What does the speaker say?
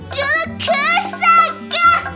dulu ku sangka